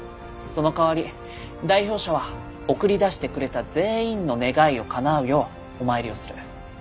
そのかわり代表者は送り出してくれた全員の願いをかなうようお参りをする。